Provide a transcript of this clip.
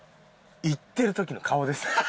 いってる時の顔です。